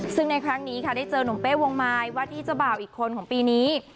ซึ่งในครั้งนี้ค่ะได้เจอหนุ่มเป้วงมายว่าที่เจ้าบ่าวอีกคนของปีนี้